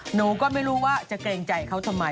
หนูก็ไม่รู้ว่าจะเกรงใจเขาทำไม